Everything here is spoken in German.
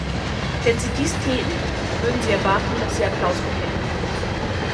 Wenn Sie dies täten, würden Sie erwarten, dass Sie Applaus bekämen.